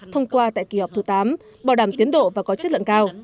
thông qua tại kỳ họp thứ tám bảo đảm tiến độ và có chất lượng cao